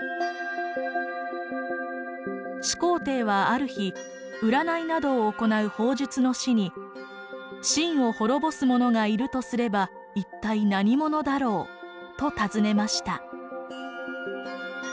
始皇帝はある日占いなどを行う方術の士に「秦を滅ぼすものがいるとすれば一体何者だろう？」と尋ねました。